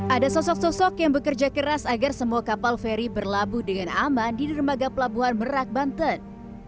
ada sosok sosok yang bekerja keras agar semua kapal feri berlabuh dengan aman di dermaga pelabuhan merak banten